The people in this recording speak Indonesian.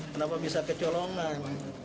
kenapa bisa kecolongan